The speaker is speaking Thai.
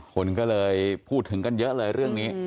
คนก็เลยพูดถึงกันเยอะเลยเรื่องนี้